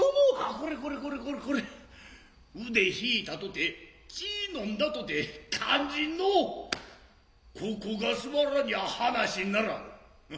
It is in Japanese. これこれこれこれこれ腕引いたとて血のんだとて肝腎の爰が据らにゃ話にならん。